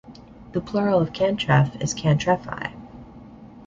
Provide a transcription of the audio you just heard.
The plural of "cantref" is "cantrefi".